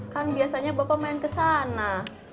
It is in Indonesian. kan biasanya bapak main kesana